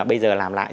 bây giờ làm lại